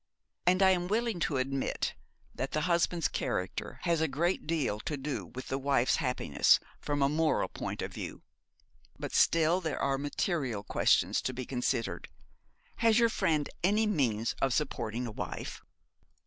'And I am willing to admit that the husband's character has a great deal to do with the wife's happiness, from a moral point of view; but still there are material questions to be considered. Has your friend any means of supporting a wife?'